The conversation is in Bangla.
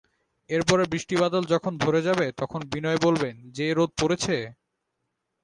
এর পরে বৃষ্টিবাদল যখন ধরে যাবে তখন বিনয় বলবেন, যে রোদ পড়েছে!